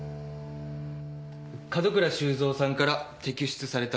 門倉修三さんから摘出された弾です。